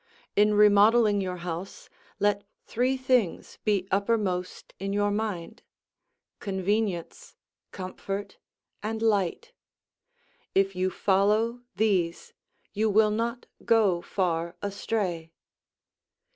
In remodeling your house, let three things be uppermost in your mind: convenience, comfort, and light; if you follow these, you will not go far astray.